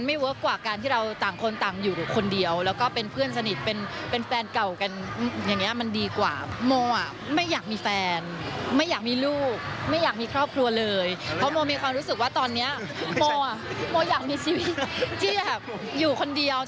มีความรู้สึกว่าตอนเนี่ยโมอ่ะโมอยากมีชีวิตที่แบบอยู่คนเดียว